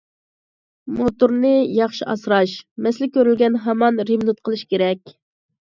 موتورنى ياخشى ئاسراش، مەسىلە كۆرۈلگەن ھامان رېمونت قىلىش كېرەك.